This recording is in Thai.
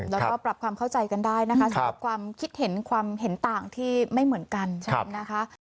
แล้วก็ปรับความเข้าใจกันได้นะคะสำหรับความคิดเห็นความเห็นต่างที่ไม่เหมือนกันนะคะ